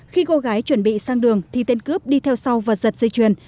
khi cô gái chuẩn bị sang đường thì tên cướp đi theo sau và giật dây chuyền